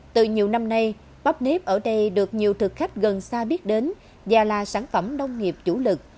từ nhiều năm nay bắp nếp ở đây được nhiều thực khách gần xa biết đến và là sản phẩm nông nghiệp chủ lực